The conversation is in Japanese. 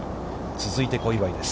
続いて小祝です。